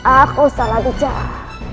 aku salah bicara